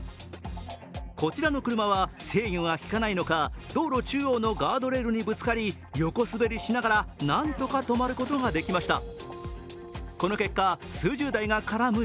こちらの車は制御がきかないのか道路中央のガードレールにぶつかり横滑りしながら何とか止まることができました。